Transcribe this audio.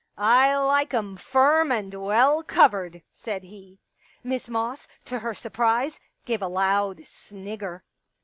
*' I like 'em firm and well covered," said he. Miss Moss, to her surprise, gave a loud snigger.